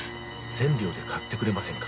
千両で買ってくれませんか？